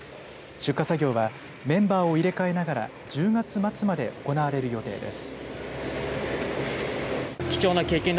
出荷作業はメンバーを入れ替えながら１０月末まで行われる予定です。